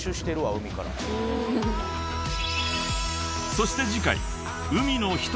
［そして次回］